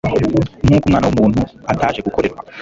nk'uko Umwana w'umuntu ataje gukorerwa